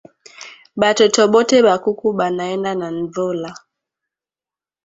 Batoto bote ba kuku banaenda na nvula